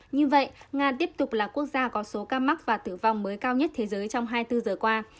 như vậy nga tiếp tục là quốc gia có số ca mắc và tử vong mới cao nhất thế giới trong hai mươi bốn giờ qua